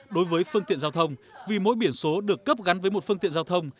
đối với phương tiện giao thông vì mỗi biển số được cấp gắn với một phương tiện giao thông